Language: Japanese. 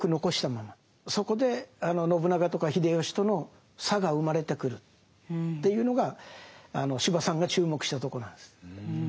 そこであの信長とか秀吉との差が生まれてくるっていうのが司馬さんが注目したとこなんです。